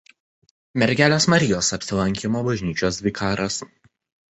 Mergelės Marijos Apsilankymo bažnyčios vikaras.